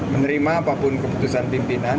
menerima apapun keputusan pimpinan